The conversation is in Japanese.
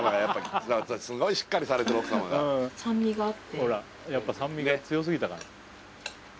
ほらやっぱ酸味が強すぎたか。